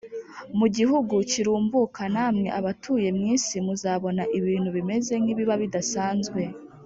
mu gihugu kirumbuka namwe abatuye mu isi muzabona ibintu bimeze nk ibiba bidasanzwe